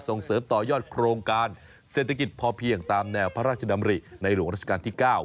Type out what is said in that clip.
ส่งเสริมต่อยอดโครงการเศรษฐกิจพอเพียงตามแนวพระราชดำริในหลวงราชการที่๙